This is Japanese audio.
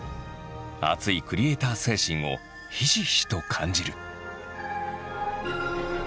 熱いクリエイター精神をひしひしと感じる。